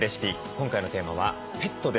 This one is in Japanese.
今回のテーマは「ペット」です。